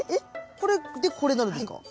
これでこれになるんですか。